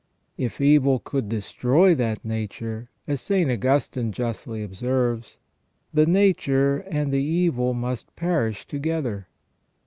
If evil could destroy that nature, as St, Augustine justly observes, the nature and the evil must perish together.